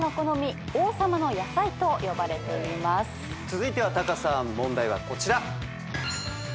続いてはタカさん問題はこちら。